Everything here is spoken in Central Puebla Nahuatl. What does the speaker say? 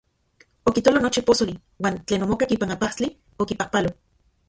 Okitolo nochi posoli uan tlen omokak ipan ajpastli, okipajpalo.